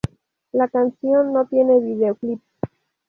La canción no tiene video clip.